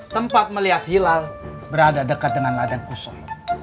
tempat melihat hilal berada dekat dengan ladang kusuh